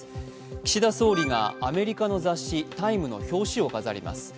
岸田総理がアメリカの雑誌「タイム」の表紙を飾ります。